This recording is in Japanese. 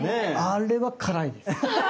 あれは辛いです。